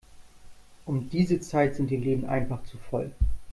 Um diese Zeit sind die Läden einfach zu voll.